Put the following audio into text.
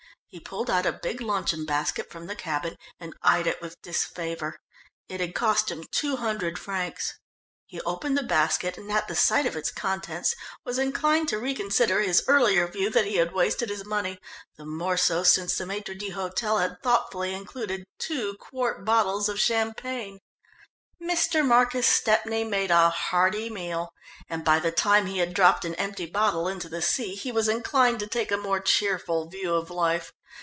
He pulled out a big luncheon basket from the cabin and eyed it with disfavour. It had cost him two hundred francs. He opened the basket, and at the sight of its contents, was inclined to reconsider his earlier view that he had wasted his money, the more so since the maître d'hôtel had thoughtfully included two quart bottles of champagne. Mr. Marcus Stepney made a hearty meal, and by the time he had dropped an empty bottle into the sea, he was inclined to take a more cheerful view of life.